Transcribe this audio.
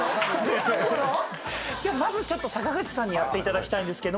ではまずちょっと坂口さんにやっていただきたいんですけども。